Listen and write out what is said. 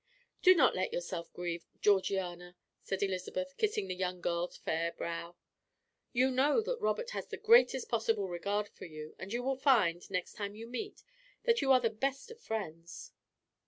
"Do not let yourself grieve, Georgiana," said Elizabeth, kissing the young girl's fair brow; "you know that Robert has the greatest possible regard for you, and you will find, next time you meet, that you are the best of friends."